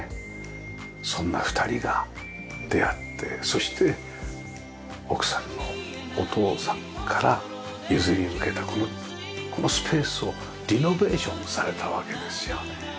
そんな２人が出会ってそして奥さんのお父さんから譲り受けたこのスペースをリノベーションされたわけですよね。